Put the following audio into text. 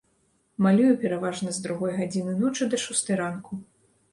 Малюю пераважна з другой гадзіны ночы да шостай ранку.